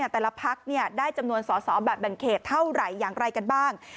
แต่ละพักได้จำนวนสอสอแบบแบ่งเขตเท่าไหร่อย่างไรกันบ้าง